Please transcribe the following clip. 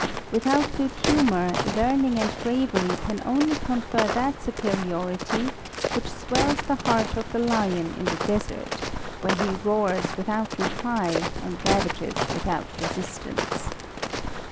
r/ Withoutgood humour, learning and bravery can only confer that superiority which swells the heart of the lion in the desert, where he roars without reply, and ravages without resistance.